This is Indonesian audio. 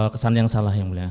kesan yang salah yang mulia